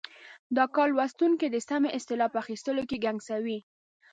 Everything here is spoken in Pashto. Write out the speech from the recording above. دا کار لوستونکی د سمې اصطلاح په اخیستلو کې ګنګسوي.